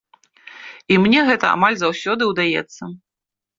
І мне гэта амаль заўсёды ўдаецца.